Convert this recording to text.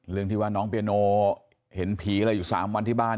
เรื่องที่ว่าน้องเปียโนเห็นผีอะไรอยู่๓วันที่บ้าน